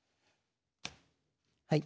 はい。